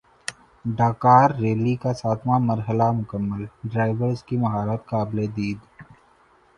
Dakar Rally کا ساتواں مرحلہ مکمل ڈرائیورز کی مہارت قابل دید